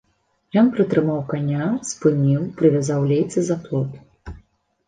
Ён прытрымаў каня, спыніў, прывязаў лейцы за плот.